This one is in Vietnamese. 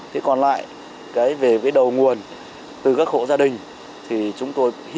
thế còn lại cái về cái đầu nguồn từ các hộ gia đình thì chúng tôi hy vọng là sắp tới